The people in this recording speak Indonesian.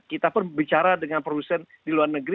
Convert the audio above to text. kita pun bicara dengan produsen di luar negeri